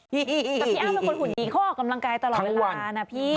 พี่อั้มเป็นคนหุ่นดีคอกกำลังกายตลอดเวลานะพี่